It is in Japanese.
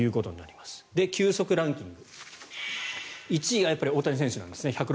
球速ランキング１位が大谷選手なんですね１６５ｋｍ。